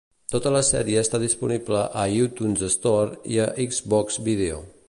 Tota la sèrie està disponible a iTunes Store i a Xbox Video.